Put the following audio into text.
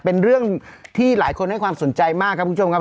เป็นเรื่องที่หลายคนให้ความสนใจมากครับคุณผู้ชมครับ